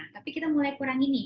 tapi kita mulai kurangi